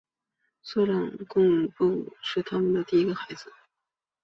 索朗贡布是他们的第一个孩子。